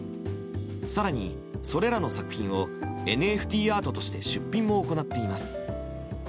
更にそれらの作品をＮＦＴアートとして出品も行っています。